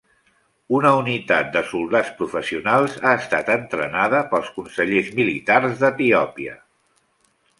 Una unitat de soldats professionals ha estat entrenada pels consellers militars d'Etiòpia.